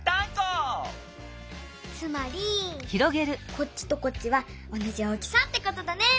つまりこっちとこっちはおなじ大きさってことだね！